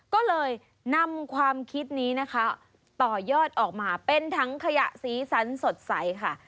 ก็เลยนำความคิดนี้นะคะต่อยอดออกมาเป็นถังขยะสีสันสดใสค่ะ